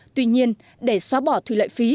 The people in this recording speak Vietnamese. tuy nhiên để xóa bỏ thủy lợi phí